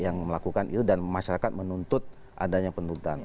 yang melakukan itu dan masyarakat menuntut adanya penuntutan